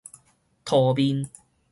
塗面